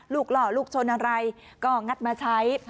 หล่อลูกชนอะไรก็งัดมาใช้